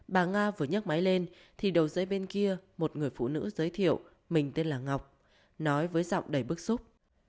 bà nga vừa nhắc máy lên thì đầu dưới bên kia một người phụ nữ giới thiệu mình tên là ngọc nói với giọng đầy bức xúc